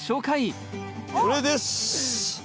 これです！